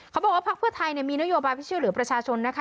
เขาบอกว่าพักเพื่อไทยมีนโยบายที่ช่วยเหลือประชาชนนะคะ